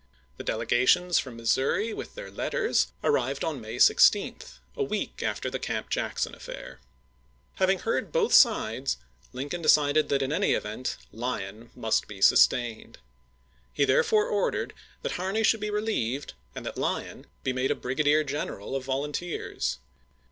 The delegations from Missouri with their letters arrived on May 16, a week after the Camp Jackson affair. Having heard both sides, Lincoln decided that in any event Lyon must be sustained. He therefore ordered that Harney should be relieved, and that Lyon be made a brigadier general of volunteers.